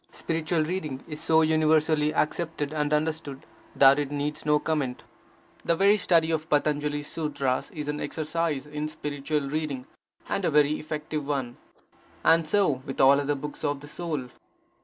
Spiritual reading is so universally accepted and understood, that it needs no comment. The very study of Patanjali's Sutras is an exercise in spiritual reading, and a very effective one. And so with all other books of the Soul.